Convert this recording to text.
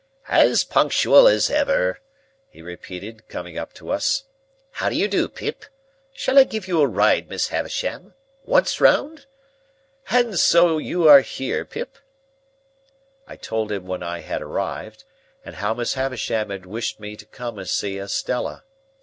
"As punctual as ever," he repeated, coming up to us. "(How do you do, Pip? Shall I give you a ride, Miss Havisham? Once round?) And so you are here, Pip?" I told him when I had arrived, and how Miss Havisham had wished me to come and see Estella.